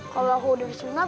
kalau aku udah keselinan